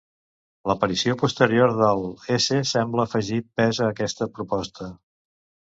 L'aparició posterior del s sembla afegir pes a aquesta proposta.